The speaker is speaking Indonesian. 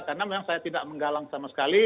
karena memang saya tidak menggalang sama sekali